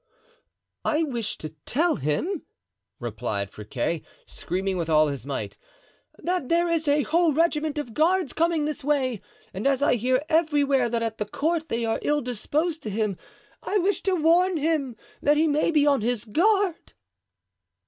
"I wish to tell him," replied Friquet, screaming with all his might, "that there is a whole regiment of guards coming this way. And as I hear everywhere that at the court they are ill disposed to him, I wish to warn him, that he may be on his guard."